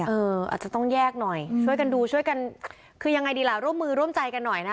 อาจจะต้องแยกหน่อยช่วยกันดูช่วยกันคือยังไงดีล่ะร่วมมือร่วมใจกันหน่อยนะ